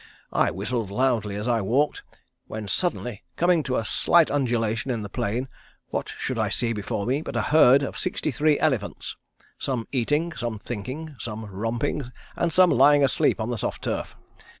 I whistled loudly as I walked, when suddenly coming to a slight undulation in the plain what should I see before me but a herd of sixty three elephants, some eating, some thinking, some romping, and some lying asleep on the soft turf.